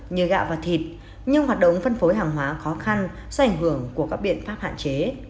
như gạo và thịt nhưng hoạt động phân phối hàng hóa khó khăn do ảnh hưởng của các biện pháp hạn chế